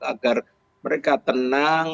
agar mereka tenang